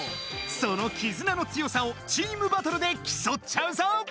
その絆の強さをチームバトルできそっちゃうぞ！